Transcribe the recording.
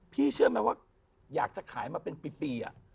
เชื่อไหมว่าอยากจะขายมาเป็นปี